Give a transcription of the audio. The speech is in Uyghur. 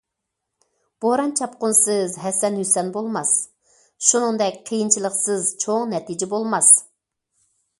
بوران- چاپقۇنسىز، ھەسەن- ھۈسەن بولماس، شۇنىڭدەك قىيىنچىلىقسىز، چوڭ نەتىجە بولماس.